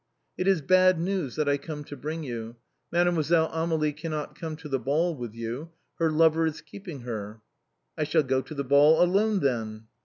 " It is bad news that I come to bring you. Mademoiselle Amélie cannot come to the ball with you; her lover is keeping her." " I shall go to the ball alone, then."